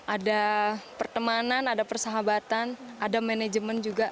ada pertemanan ada persahabatan ada manajemen juga